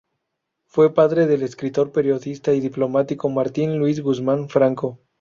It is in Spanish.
Fue padre del escritor, periodista y diplomático Martín Luis Guzmán Franco.